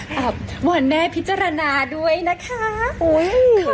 หวังแม่พิจารณาด้วยนะคะ